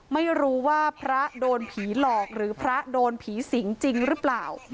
ไม่รู้ว่าพระโดนผีหลอกหรือพระโดนผีสิงจริงหรือเปล่า